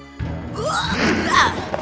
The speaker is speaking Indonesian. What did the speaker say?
kamu sudah besar hidup